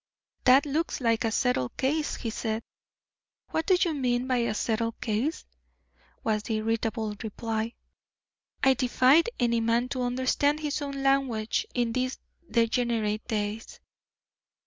"That looks like a settled case," he said. "What do you mean by a settled case?" was the irritable reply. "I defy any man to understand his own language in these degenerate days."